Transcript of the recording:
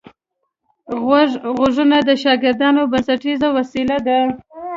غوږونه د شاګرد بنسټیزه وسیله ده